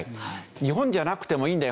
日本じゃなくてもいいんだよ